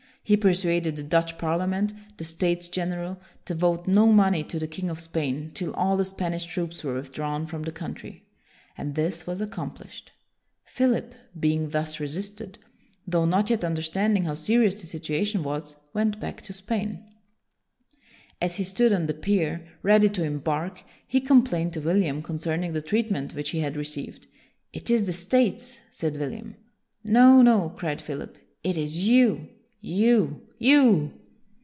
He persuaded the Dutch Parliament, the States General, to vote no money to the king of Spain till all the WILLIAM THE SILENT 183 Spanish troops were withdrawn from the country. And this was accomplished. Philip, being thus resisted, though not yet understanding how serious the situation was, went back to Spain. As he stood on the pier, ready to embark, he complained to William concerning the treatment which he had received. " It is the States," said William. " No, no!" cried Philip. "It is you, you, you!